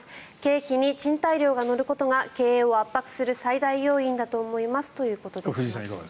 経費に賃貸料が乗ることが経営を圧迫する最大要因だと思いますということです。